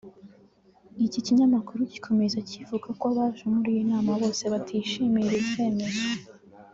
Iki kinyamakuru gikomeza kivuga ko abaje muri iyi nama bose batishimiye ibi byemezo